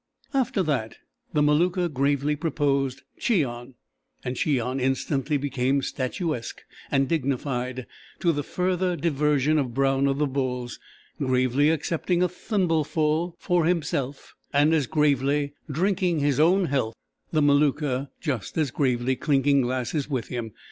After that the Maluka gravely proposed "Cheon," and Cheon instantly became statuesque and dignified, to the further diversion of Brown of the Bulls—gravely accepting a thimbleful for himself, and, as gravely, drinking his own health, the Maluka just as gravely "clinking glasses" with him.